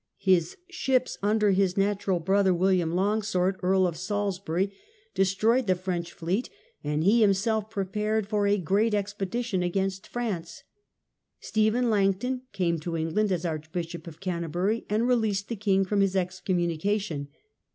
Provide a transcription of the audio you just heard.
His ships, under his natural brother, ^illiam Long^ii^ord, Earl of Salisbury, destroyed the STEPHEN LANGTON. 55 French fleet, and he himself prepared for a great expedi tion against France. Stephen Langton came to England as Archbishop of Canterbury, and released the king from his excommunication.